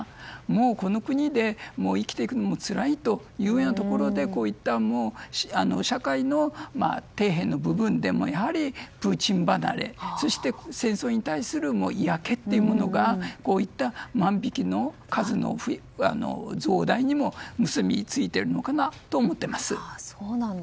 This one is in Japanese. もうこの国で生きていくのもつらいというようなところでこういった社会の底辺の部分でもプーチン離れそして戦争に対する嫌気がこういった万引きの数の増大にも結び付いてるのかなと思います。